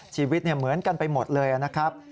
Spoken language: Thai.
ชีวิตเหมือนกันไปหมดเลยนะครับ